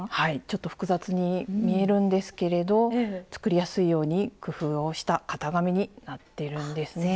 ちょっと複雑に見えるんですけれど作りやすいように工夫をした型紙になってるんですね。